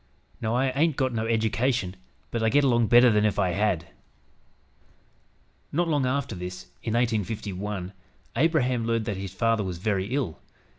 Now I haint got no eddication, but I git along better than if I had." Not long after this, in 1851, Abraham learned that his father was very ill.